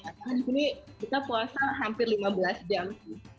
karena di sini kita puasa hampir lima belas jam sih